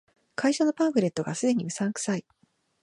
会社のパンフレットが既にうさんくさい